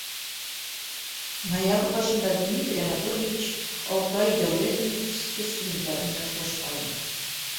- Ноябрь башында Дмитрий Анатольевич Алтай дәүләт университеты студенттары менән осрашҡайны.